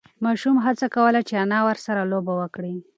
ماشوم هڅه کوله چې انا ورسه لوبه وکړي.